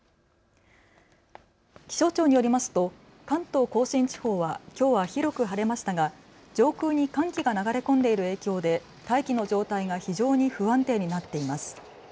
気象庁によりますと関東甲信地方はきょうは広く晴れましたが、上空に寒気が流れ込んでいる影響で大気の状態が非常に不安定になっています。